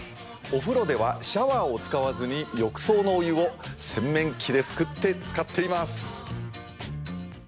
お風呂ではシャワーを使わず浴槽のお湯を洗面器ですくって使っています。